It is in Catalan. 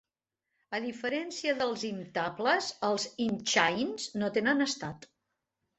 A diferència dels iptables, els ipchains no tenen estat.